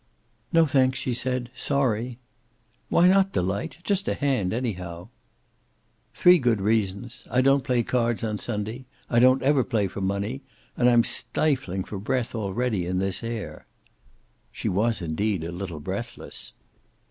"No, thanks," she said. "Sorry." "Why not, Delight? Just a hand, anyhow." "Three good reasons: I don't play cards on Sunday; I don't ever play for money; and I'm stifling for breath already in this air." She was, indeed, a little breathless.